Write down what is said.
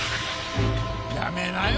やめなよ